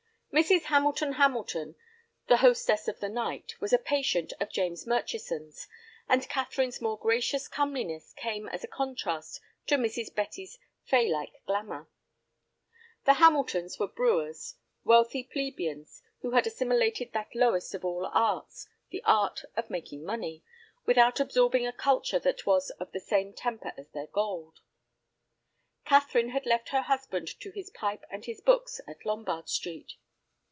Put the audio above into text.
Mrs. Hamilton Hamilton, the hostess of the night, was a patient of James Murchison's, and Catherine's more gracious comeliness came as a contrast to Mrs. Betty's faylike glamour. The Hamiltons were brewers, wealthy plebeians who had assimilated that lowest of all arts, the art of making money, without absorbing a culture that was of the same temper as their gold. Catherine had left her husband to his pipe and his books at Lombard Street.